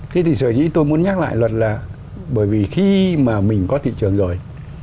thế thì sở dĩ tôi muốn nhắc lại luật là bởi vì khi mà mình có thị trường rồi